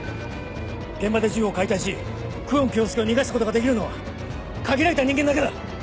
現場で銃を解体し久遠京介を逃がすことができるのは限られた人間だけだ。